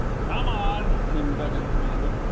"Come on!" Tim Dugan commanded.